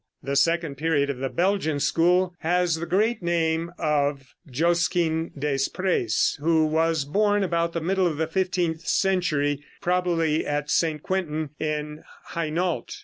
The second period of the Belgian school has the great name of Josquin des Près, who was born about the middle of the fifteenth century, probably at St. Quentin, in Hainault.